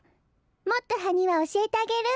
もっとハニワおしえてあげる。